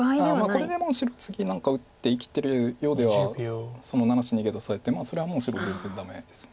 これでもう白次何か打って生きてるようではその７子逃げ出されてそれはもう白全然ダメです。